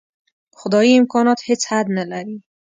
خدايي امکانات هېڅ حد نه لري.